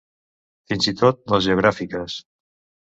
Fins i tot les geogràfiques.